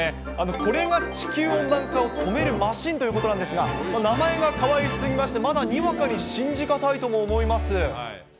これが地球温暖化を止めるマシンということなんですが、名前がかわいすぎまして、まだにわかに信じがたいとも思います。